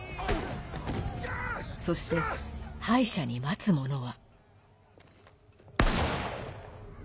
そして敗者に待つものは。